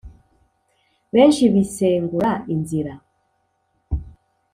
Benshi bisengura inzira